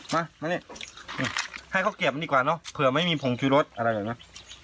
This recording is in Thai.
มามานี่ให้เขาเก็บมันดีกว่าเนอะเผื่อไม่มีผงชูรสอะไรแบบนี้